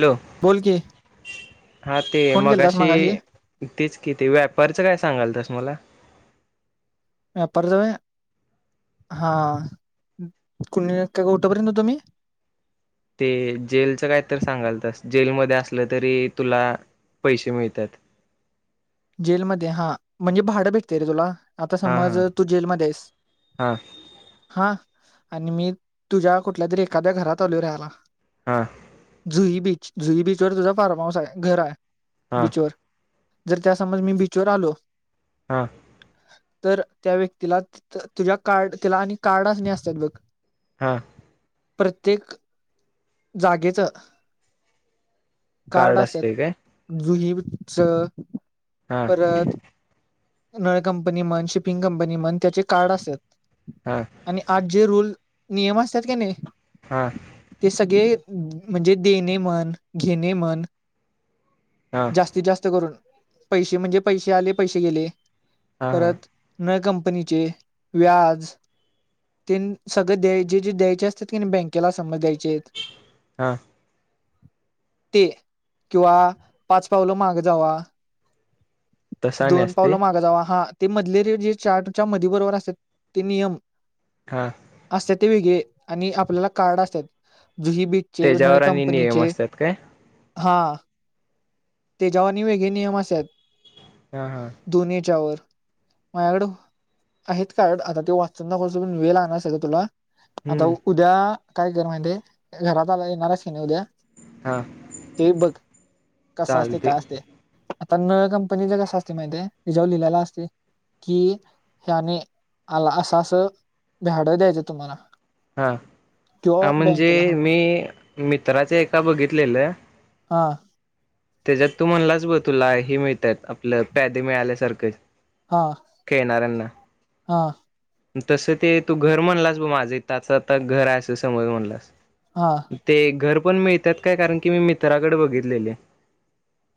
Hello बोल की हा ते फोन केलतास मगाशी तेच किती व्यापारचं काय सांगाल तस मला व्यापारजव हा कुणी काय का कुठंपर्यंत हो तुम्ही ते जेलचं काय तर सांगाल तस जेलमध्ये असलं तरी तुला पैसे मिळतात जेलमध्येध्ये हा म्हणजे भाडं भेटतेय रे तुला आता हा समज हा तू जेलमध्येध्ये आहेस हा हा आणि मी तुझ्या कुठल्या तरी एखाद्या घरात आल राहाला हा जुई बीच जुई बीचवर तुझा फार्म हाऊस आहे घर आहे हा बीचवर जर त्या समज मी बीचवर आलो हा [inaudible] तर त्या व्यक्तीला तुझ्या कार्ड तिला आणि कार्डच नाही असतात बघ हा प्रत्येक जागेच कार्ड असत. असते काय जुहेबच. हा परत नळ कंपनी म्हण शिपिंग कंपनी म्हण त्याचे कार्ड असेत. हा आणि आज जे रूल नियम असतात का नाही. हां ते सगळे म्हणजे देणे मन घेणे मन हा हा जास्तीत जास्त करून पैसे म्हणजे पैसे आले पैसे गेले हा परत. नळ कंपनीचे व्याज ते सगळे द्याय जे जे द्यायचे असतात की बँकेला समज द्यायचे. हा [inaudible] ते किंवा पाच पावलं माग जावा तसा आणि दोन असते पावलं माग जावा हा ते मधलेले जे चार्टच्या मध बरोबर असत ते नियम हा असत ते वेगळे आणि आपल्याला कार्ड असतात जुनी बी चे न त्याच्यावर आणि नियम कंपनीचे. असतात काय हा ते जेवानी वेगळे नियम अस आहेत. हा हा दोनी याच्या वर. माझ्याकड आहेत कार्ड आता ते वाचून कस पण वेळ आणणारच आहे का तुला. आता हम्म उद्या काय कर माहितीे घरात आला येणारच की नाही उद्या हा ते बघ कस असते चालते काय असते. आता नळ्या कंपनीच कसं असते माहितीे तिच्या वर लिहाल असते. कि ह्याने आला असं असं भाडं द्यायचं तुम्हाला. हा हा किंवा म्हणजे बँकेला मी समजा मित्राचे एका बघितलेलं. हा त्याच्यात तू म्हणलाच ब तुला हे मिळतात आपलं प्यादे मिळाल्यासारखं. हा खेळणाऱ्यांना हा तसं ते तू घर म्हणलास ब माझं त्याचं आता घर आहे समज म्हणलास. हा ते घर पण मिळतात काय कारण की मी मित्राकडे बघितलेले.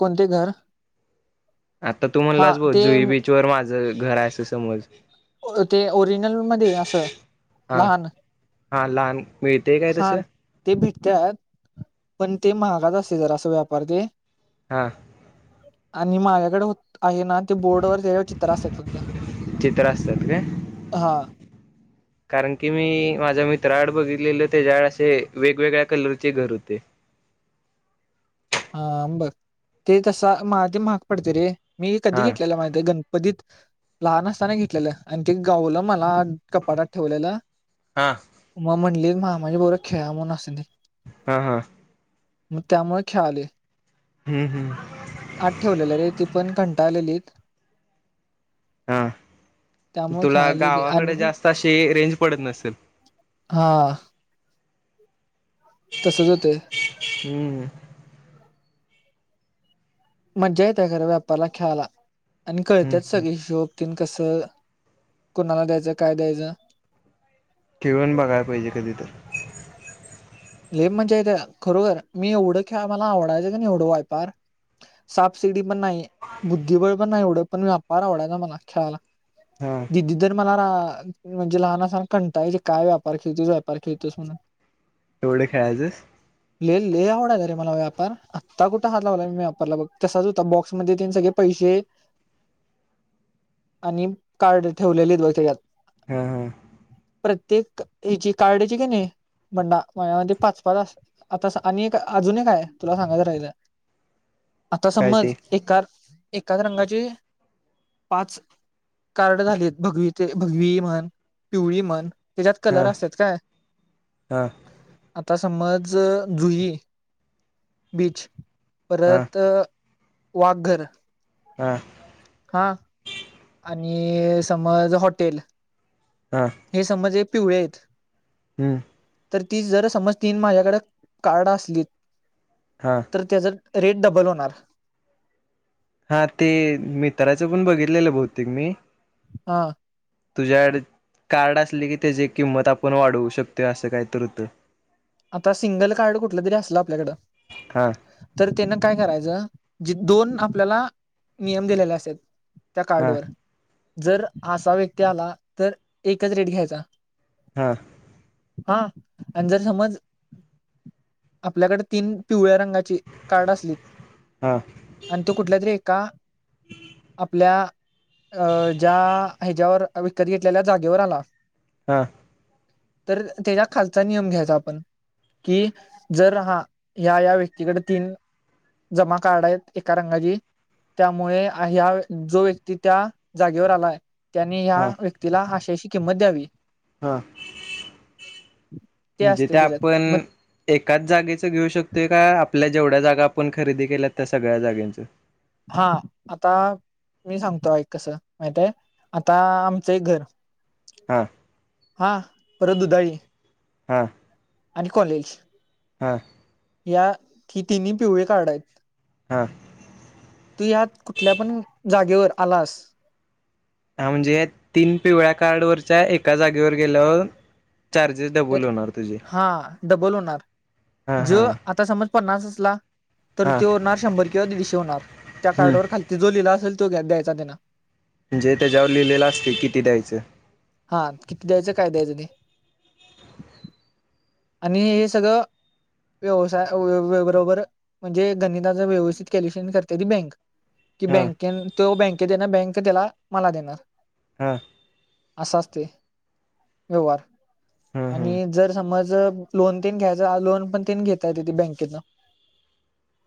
कोणते घर? आता तू हा म्हणलाच बोल ते जुई बीचवर माझं घर आहे असं समज ते ओरिजनल मध्ये असं हा लहान. हा लहान मिळतेय काय हा तसं. ते भेटतात पण ते महागच असते जरा असा व्यापार ते. हा आणि माझ्याकडे होत आहे ना ते बोर्ड वर ते चित्र असतात फक्त चित्र असतात काय हा. कारण की मी माझा मित्राआड बघितलेलं त्याच्या आड असे वेगवेगळ्या कलरचे घर होते. हा बघ ते तसा मझ ते महाग पडते रे मी कधी हा घेतलेला माझ गण कधत लहान असताना घेतलेलं आणि ते गावलं मला कपाटात ठेवलेलं. हां मग म्हणली मामा पोरं बरोबर खेळा म्हणून असे. हा हा मग त्यामुळे खेळाले. हम्म हम्म आठ ठेवलेले रे ती पण घंटा आलेलीत हा त्यामुळे तुला खेळाले गावाकडे आणि जास्त अशी रेंज पडत नसेल. हा तसच होते. हम्म मजा येत्या घरा व्यापारला खेळायला आणि हम्म कळतात हम्म सगळे शोभ कस कोणाला द्यायचं काय द्यायचं खेळून बघायला पाहिजे कधी तर लेप म्हणजेथ खरोखर मी एवढं ख्या मला आवडायचं क एवढं वायपार साबसिडी पण नाही बुद्धिबळ पण नाही एवढं पण व्यापार आवडाय ना मला खेळायला हा दिदी तर मला रा म्हणजे लहान सान कंटाळली काय व्यापार खेळतोस व्यापार खेळतोस म्हणून तेवढं खेळायचंस ल आवडाला रे मला व्यापार आत्ता कुठ हातलावला मी व्यापारला बघ तसाच होता बॉक्समध्ये तीन सगळे पैसे आणि कार्ड ठेवलेले त्याच्यात. हा हा प्रत्येक हची कार्ड क नाही म्हणणा. माझ्यामते पाच पाच आता आणि अजून एक काय तुला सांगात राहायचं. आता काय ते समज एका एकाच रंगाचे पाच कार्ड झालेत भगवी ते भगवी म्हण पिवळी म्हण त्याच्यात हा कलर असतात काय हा आता समज जुई बीच हा परत वाघर हा हा आणि समज हॉटेल हा हे समज हे पिवळे आहेत. हम्म तर ती जर समज तीन माझ्याकडे कार्ड असली हां तर त्याचा रेट डबल होणार हा ते मित्राचं पण बघितलेलं भौतेिक मी हा तुझ्या कार्ड असले की त्याची किंमत आपण वाढवू शकतो असं काही तर होत. आता सिंगल कार्ड कुठलं तरी असलं आपल्याकडं हां तर त्यांना काय करायचं जे दोन आपल्याला नियम दिलेले असत त्या हा कार्डवर जर असा व्यक्ती आला तर एकच रेट घ्यायचा हा हा आणि जर समज आपल्याकडे तीन पिवळ्या रंगाची कार्ड असली हा आणि तो कुठल्या तरी एका आपल्या अ ज्या ह्याच्यावर विकत घेतलेल्या जागेवर आला हा तर त्याच्या खालचा नियम घ्यायचा आपण कि जर हा ह्या या व्यक्तीकडे तीन जमा कार्ड आहेत एका रंगाची त्यामुळे ह्या जो व्यक्ती त्या जागेवर आलाय त्यांनी या हा व्यक्तीला अशी याची किंमत द्यावी. हा म्हणजे ते असते त्याच्यात आपण मग एकाच जागेचं घेऊ शकतोय का आपल्या जेवढ्या जागा आपण खरेदी केल्या त्या सगळ्या जाग्याच हा आता मी सांगतो एक कसं माहिताय आता आमचं एक घर हा हा परत दुधाई हां आणि कॉलेज हां या ही तिन्ही पिवळे कार्ड हाईत. हां तू यात कुठल्या पण जागेवर आलास हा म्हणजे तीन पिवळ्या कार्ड वरच्या एका जागेवर गेल्यावर चार्जेस [unintelligible] अरे तुझे हा डबल होणार हा जो हा आता समज पन्नास असला तर हा ते होणार शंभर किंवा दीडशे होणार त्या हम्म कार्डवर खाली ते जो लिहिला असेल तो द्यायचा त्यांना जे त्या जेव लिहिलेलं असते किती द्यायचं हा किती द्यायचं काय द्यायचं ते आणि हे सगळं व्यवसाय बरोबर म्हणजे गणिताचा व्यवस्थित कॅल्युशन करते ती बँक कि हा बँके तो बँकेत येणार बँक त्याला मला देणार हां अस असतय व्यवहार हम्म हम्म आणि जर समज लोन तेन घ्यायचा लोन पण तेन घेया येतंय बँकेतन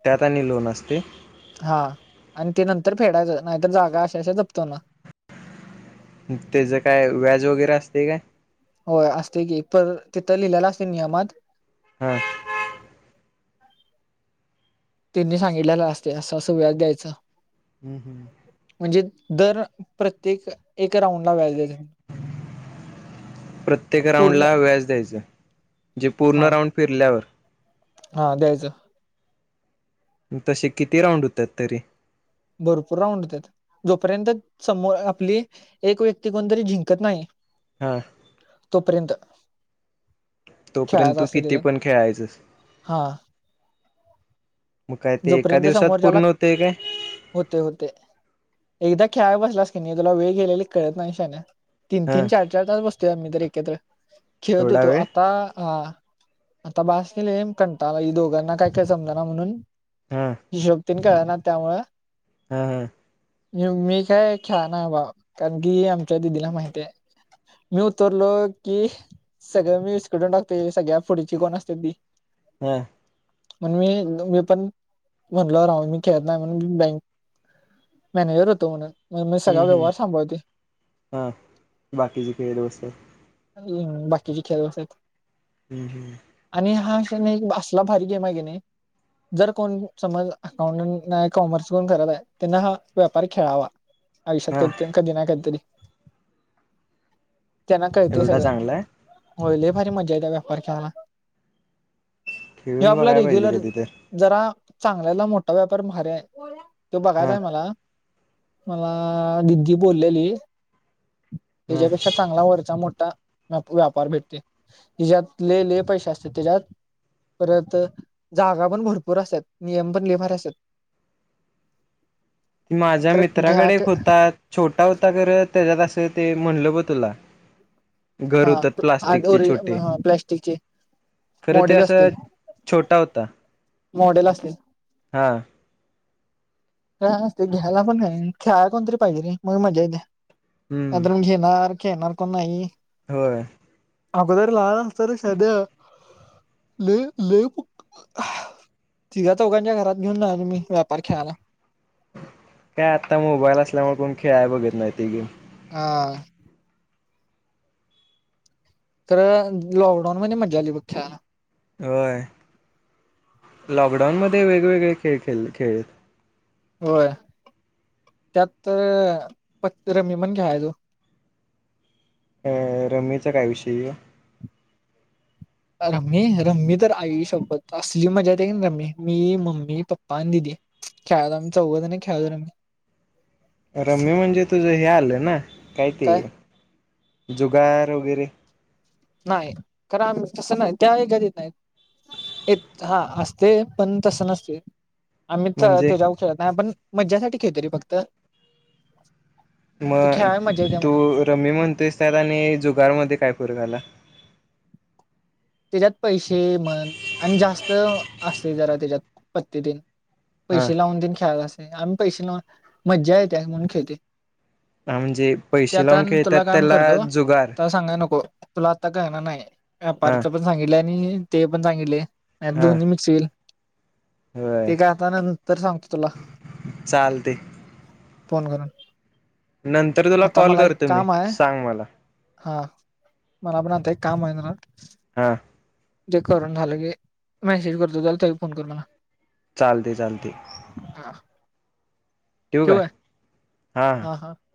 त्यात आणि लोन असतय. हा आणि ते नंतर फेडायचं नाहीतर जागा अशाशा जप्त होणार.. तेच काय व्याज वगैरे असतय काय? होय असतय की प तिथं लिहिलेला असतय नियमात हा तेनी सांगितलेलं असतय असं अस व्यास द्यायच.. हम् हम् म्हणजे दर प्रत्येक एक राऊंडला व्याज द्यायचं. प्रत्येक राऊंड पूर्ण ला व्याज द्यायच जे पूर्ण हा राऊंड फिरल्यावर. हा द्यायचं. तसे किती राऊंड होतात तरी भरपूर राऊंड होत्यात. जोपर्यंत समोर आपली एक व्यक्ती कोणतरी जिंकत नाही हा तोपर्यंत तोपर्यंत खेळायचं तू असतय किती तेच्यात, पण खेळायचंस हा मग काय ते एका दिवसात पूर्ण होतय काय? होतय होतय एकदा खेळाय बसलास की नाही तुला वेळ गेलेली कळत नाही शान्या. तीन हा तीन चार चार तास बसयोय आम्ही तर एकत्र खेळत एवढा होतो वेळ आता ह आता बास केलय म कंटाळा आलाय दोघांना काय ते समजना म्हणून हम हिशोब तेन कळनात त्यामुळ हा हा मी काय खेळाय नाही बाबा कारण की आमच्या दिदीला माहिताय मी उत्तर्लो की सगळं मी इस्काटून टाकतोय सगळ्या पुढची कोण असते. हम् म्हण मी मी पण म्हणल राह मी खेळत नाही म्हणून मी बँक मॅनेजर होतो म्हणून मग मी सगळा हम्म हम्म व्यवहार सांभाळते. हा बाकीचे खेळत बसतात ह बाकीचे खेळ असस आहेत. हम् हम् आणि हा अा असला भारी गे मा आहे गेने कोण समज अकाउंटट कॉमर्स कोण करत आहे त्यांना हा व्यापार खेळावा. हा आयुष्यत कधी ना कधी तरी त्यांना कळते एवढा सगळं चांगला आहे होईल भारी मज्जा येत त्या व्यापार खेळायला. ह खेळून आपला बघायला रेग्युलर पाहिजे कधी तर जरा चांगल्याला मोठा व्यापार मार आहे तो बघायचा हा आहे मला मला दिदी बोललेली हा त्याच्यापेक्षा चांगला वरचा मोठा व व्यापार भेटते तीच्यात लय लय पैसे असत्यात तेच्यात परत जागा पण भरपूर भरपूर असत्यात नियम पण लय भारी असत्यात. माझ्या खरं घ्या मित्राकडे एक क- होता छोटा होता खरं तेच्यात असं ते म्हणलं ब तुला घर हा होतात आड- प्लास्टिकचे ओरि- छोटे, हा, प्लॅस्टिकचे खरं ते मॉडेल असं असतील छोटा होता. मॉडेल असतील. हा का ते घ्यायला पण काही नाही खेळायला कोणतरी पाहिजे रे मग मजा येते हम्म अंतण घेणार येणार को नाहीई [inaudible] होय अगोदरी ला असत र शद्या ले तिघ चौघांच्या घरात घेऊन जा मी व्यापार खेळायला काय आत्ता मोबाईल असल्यामुळे कोण खेळ आहे बघत नाही ते गेम हा तर लॉकडाऊन म मजा आली बख्याला होय लॉकडाऊनमध्येध्ये वेगवेगळे खेळ खेळ खेळत होय त्यात तर प रमी म्हण घ्या आहे तू रममीचा काय विषयी रम्मी रम्मी तर आई सोबत असली मजा येत आहे की रम्मी मी मम्मी पप्पा आणि दिीदी खेळलाो आ्ही चौघद नाही खेळतो आ्ही रम्य म्हणजे तुझं हे आलं ना काय ते जुगार वगैरे नाही कारण आम्ही तसं नाही त्याही गधत नाही एक हा असते पण तस नसते आम्ही तर म्हणजे ते जाऊ शकत नाही आपण मज्जासाठी खेळतोय रे फक्त ती मग खेळायला मजा येते तू म्हणून रममी म्हणतेसत आणि जुगार मध्ये काय फर घाला त्याच्यात पैसे मन आणि जास्त असे जरा त्याच्यात पत्तीतीलन हा पैसे लावून तन खेळात असे आम् पैसे लावून मज्जा येते म्हणून खेळते म्हणजे ते पैसे आता लावून खेळतात तुला काम त्याला करतो जुगार त सांगाय नको तुला आता कळणार नाही हा व्यापारच पण सांगितलं आणि ते पण सांगले हा दोन्ही मिक्स होईल होय ते काय आता नंतर सांगतो तुला चालते फोन करून नंतर तुला आता कॉल मला एक करतो मी काम आहे सांग मला हा मलाण ते एक काम होईणार हा जे करून झालं की मेसेज करतो त्याला त फोन कर मला चालते-चालते हा. ठेवू काय हा हा-